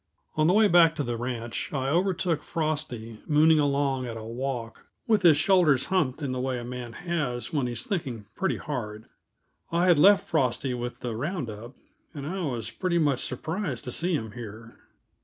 On the way back to the ranch I overtook Frosty mooning along at a walk, with his shoulders humped in the way a man has when he's thinking pretty hard. I had left Frosty with the round up, and I was pretty much surprised to see him here.